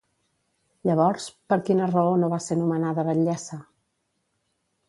Llavors, per quina raó no va ser nomenada batllessa?